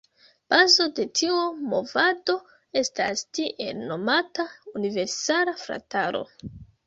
Bazo de tiu movado estas tiel nomata „Universala Frataro“.